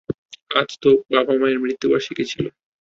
আজ তোর বাবা-মায়ের মৃত্যুবার্ষিকী ছিল।